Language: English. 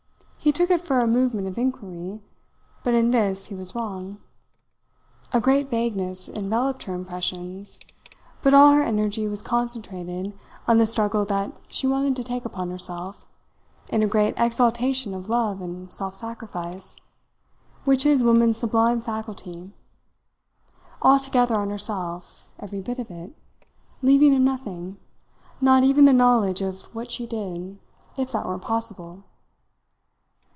He took it for a movement of inquiry, but in this he was wrong. A great vagueness enveloped her impressions, but all her energy was concentrated on the struggle that she wanted to take upon herself, in a great exaltation of love and self sacrifice, which is woman's sublime faculty; altogether on herself, every bit of it, leaving him nothing, not even the knowledge of what she did, if that were possible.